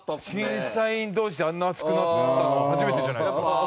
審査員同士であんな熱くなったの初めてじゃないですか？